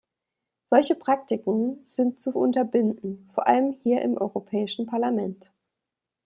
Solche Praktiken sind zu unterbinden, vor allem hier im Europäischen Parlament.